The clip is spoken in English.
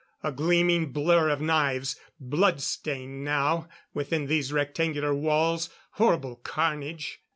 A gleaming blur of knives ... blood stained now ... within these rectangular walls horrible carnage....